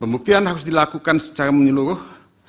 pembuktian harus dilakukan secara menyeluruh